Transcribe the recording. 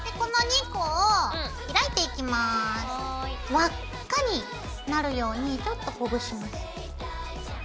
輪っかになるようにちょっとほぐします。